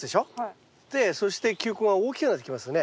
そして球根が大きくなってきますよね。